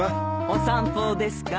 お散歩ですか？